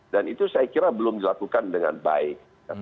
dan itu saya kira belum dilakukan dengan baik